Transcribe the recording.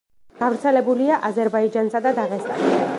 გავრცელებულია აზერბაიჯანსა და დაღესტანში.